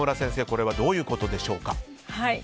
これはどういうことでしょうか？